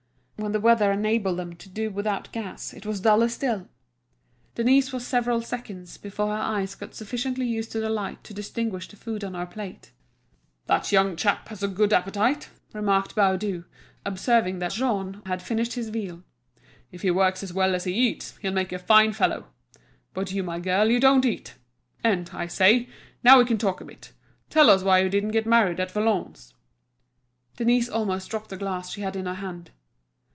When the weather enabled them to do without gas it was duller still. Denise was several seconds before her eyes got sufficiently used to the light to distinguish the food on her plate. "That young chap has a good appetite," remarked Baudu, observing that Jean had finished his veal. "If he works as well as he eats, he'll make a fine fellow. But you, my girl, you don't eat. And, I say, now we can talk a bit, tell us why you didn't get married at Valognes?" Denise almost dropped the glass she had in her hand.